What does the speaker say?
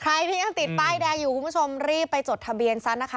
ใครที่ยังติดป้ายแดงอยู่คุณผู้ชมรีบไปจดทะเบียนซะนะคะ